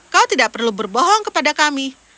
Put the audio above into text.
kau tidak perlu berbohong kepada kami